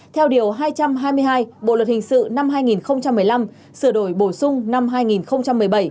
theo điều hai trăm hai mươi hai bộ luật hình sự năm hai nghìn một mươi năm sửa đổi bổ sung năm hai nghìn một mươi bảy